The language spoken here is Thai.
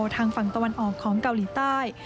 ทางฝั่งตะวันออกของเกาหลีใต้